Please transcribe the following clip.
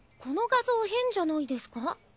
この画像変じゃないですか？」